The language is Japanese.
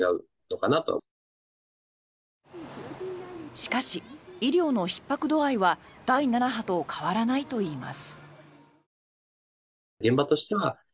しかし、医療のひっ迫度合いは第７波と変わらないといいます。